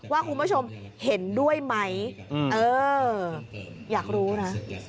ว่าคุณผู้ชมเห็นด้วยไหมเอออยากรู้นะ